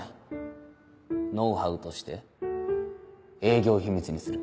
ノウハウとして営業秘密にする。